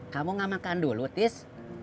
kamu gak makan dulu tis